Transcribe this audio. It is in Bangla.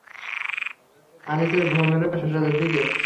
আনিসের ঘুম এল শেষরাতের দিকে।